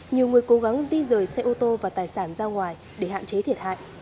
nhiều người cố gắng di rời xe ô tô và tài sản ra ngoài để hạn chế thiệt hại